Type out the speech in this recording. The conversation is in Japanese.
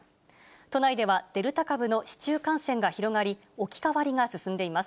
都内ではデルタ株の市中感染が広がり、置き換わりが進んでいます。